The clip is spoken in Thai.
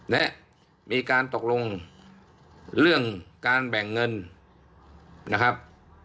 และมีการตกลงเรื่องการแบ่งเงินนะครับ